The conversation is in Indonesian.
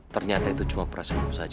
ternyata itu cuma prasilo saja